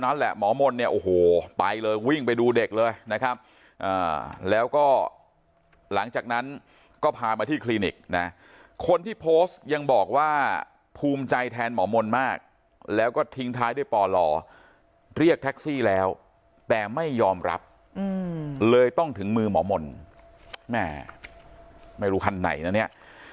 นั่นแหละหมอมนต์เนี่ยโอ้โหไปเลยวิ่งไปดูเด็กเลยนะครับแล้วก็หลังจากนั้นก็พามาที่คลินิกนะคนที่โพสต์ยังบอกว่าภูมิใจแทนหมอมนต์มากแล้วก็ทิ้งท้ายด้วยปล่อเรียกแท็กซี่แล้วแต่ไม่ยอมรับเลยต้องถึงมือหมอมนต์แม่ไม่รู้คันไหนนะเนี่ย